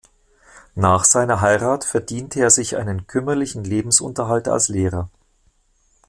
Nach seiner Heirat verdiente er sich einen kümmerlichen Lebensunterhalt als Lehrer.